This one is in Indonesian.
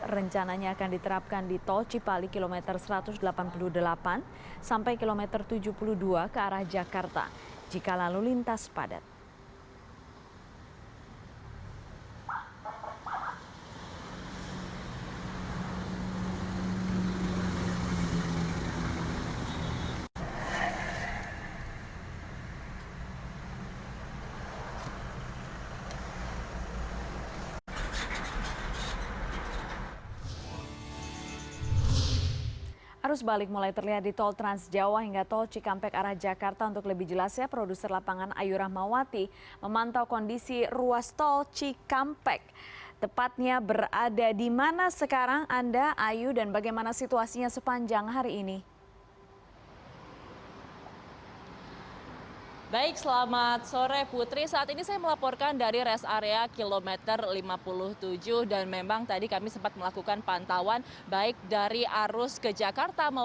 rencananya akan diterapkan di tol cipali kilometer satu ratus delapan puluh delapan sampai kilometer tujuh puluh dua ke arah jakarta jika lalu lintas padat